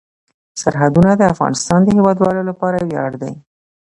سرحدونه د افغانستان د هیوادوالو لپاره ویاړ دی.